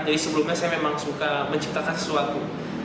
jadi sebelumnya saya memang suka menciptakan sesuatu